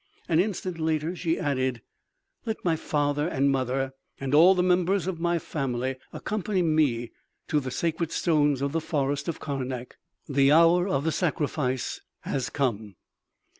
An instant later she added: "Let my father and mother and all the members of my family accompany me to the sacred stones of the forest of Karnak.... The hour of the sacrifice has come."